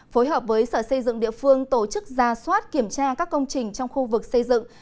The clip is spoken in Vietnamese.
phối hợp với sở xây dựng địa phương tổ chức ra soát kiểm tra các công trình trong khu vực xây dựng